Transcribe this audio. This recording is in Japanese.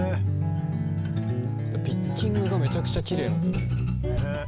ピッキングがめちゃくちゃきれいなんすよね。